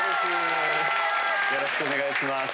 よろしくお願いします。